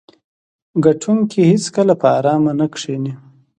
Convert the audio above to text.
ګټونکي هیڅکله په ارامه نه کیني.